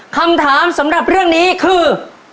คำถามสำหรับเรื่องนี้คือ